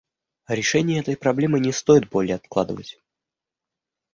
Решение этой проблемы не стоит более откладывать.